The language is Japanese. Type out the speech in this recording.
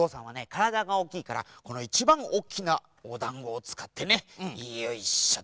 からだがおおきいからこのいちばんおっきなおだんごをつかってねよいしょと。